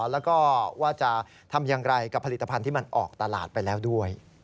แล้วก็ว่าจะทำอย่างไรกับผลิตภัณฑ์ที่มันออกตลาดไปแล้วด้วย